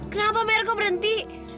kenapa mer gue berhenti